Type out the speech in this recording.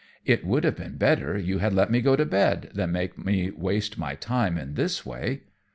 It would have been better you had let me go to bed than make me waste my time in this way."